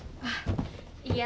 oke kita ambil biar cepet